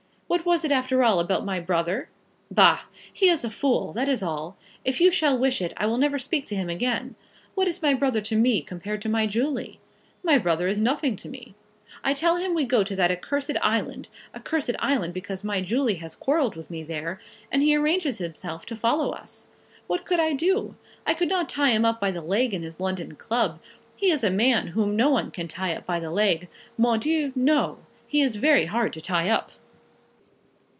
What was it after all about my brother? Bah! He is a fool; that is all. If you shall wish it, I will never speak to him again. What is my brother to me, compared to my Julie? My brother is nothing to me. I tell him we go to that accursed island, accursed island because my Julie has quarrelled with me there, and he arranges himself to follow us. What could I do? I could not tie him up by the leg in his London club. He is a man whom no one can tie up by the leg. Mon Dieu, no. He is very hard to tie up.